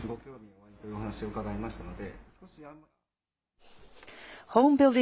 おありというお話を伺いましたので。